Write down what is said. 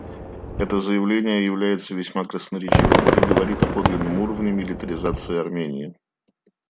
Это заявление является весьма красноречивым и говорит о подлинном уровне милитаризации Армении.